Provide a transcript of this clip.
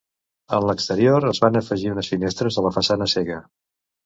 En l'exterior, es van afegir unes finestres a la façana cega.